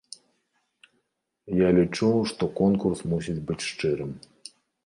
Я лічу, што конкурс мусіць быць шчырым.